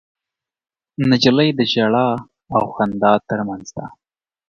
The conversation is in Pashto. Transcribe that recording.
نجلۍ د ژړا او خندا تر منځ ده.